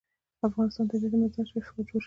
د افغانستان طبیعت له مزارشریف څخه جوړ شوی دی.